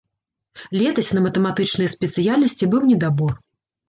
Летась на матэматычныя спецыяльнасці быў недабор.